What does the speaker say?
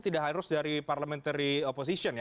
tidak harus dari parliamentary oposition ya